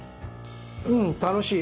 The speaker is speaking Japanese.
うん楽しい。